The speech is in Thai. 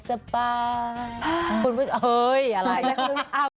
เฮ้ยอะไร